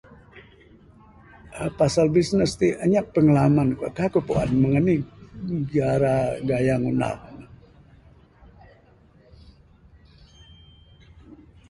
Pasal bisnes ti anyap pengalaman ku kaik ku puan meng anih gara gaya ngunah ne.